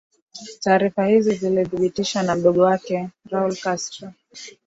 Taarifa hizi zilithibitishwa na mdogo wake Raul Castro